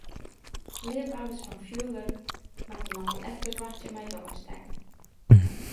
Leafhawwers fan fjurwurk moatte noch al efkes wachtsje mei it ôfstekken.